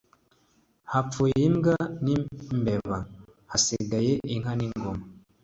Hapfuye imbwa n'imbeba Hasigaye inka n'ingoma